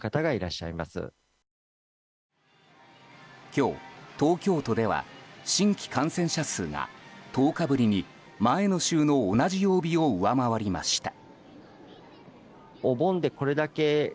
今日、東京都では新規感染者数が１０日ぶりに前の週の同じ曜日を上回りました。